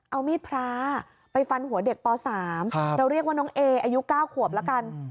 เอามีดพระไปฟันหัวเด็กป๓เราเรียกว่าน้องเออายุ๙ขวบละกัน